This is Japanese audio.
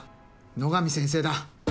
野上先生だ。